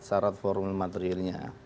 sarat formil materielnya